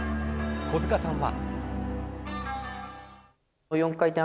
小塚さんは。